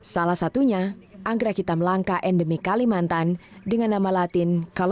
salah satunya anggrek hitam langka endemik kalimantan dengan nama latin